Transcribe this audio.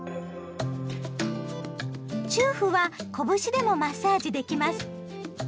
中府は拳でもマッサージできます。